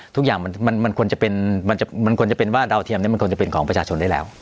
ทุกอย่างมันควรจะเป็นมันควรจะเป็นว่าดาวเทียมนี้มันควรจะเป็นของประชาชนได้แล้ว